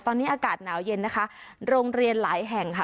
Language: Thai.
ตอนนี้อากาศหนาวเย็นนะคะโรงเรียนหลายแห่งค่ะ